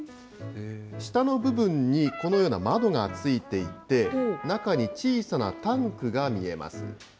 下の部分にこのような窓がついていて、中に小さなタンクが見えます。